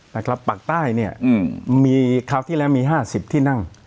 นะครับภาคใต้เนี่ยคราวที่แล้วมี๕๐ที่นั่ง